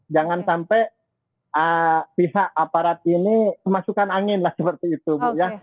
jangan sampai pihak aparat ini memasukkan angin lah seperti itu bu ya